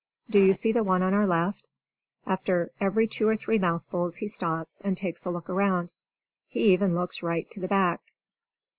Do you see the one on our left? After every two or three mouthfuls he stops, and takes a look around; he even looks right to the back.